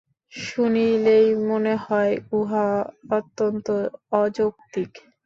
শুনিলেই মনে হয়, উহা অত্যন্ত অযৌক্তিক।